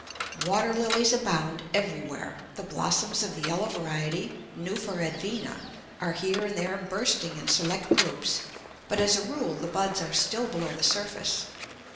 Water lilies abound everywhere. The blossoms of the yellow variety (nuphar advena) are here and there bursting in select groups, but as a rule the buds are still below the surface.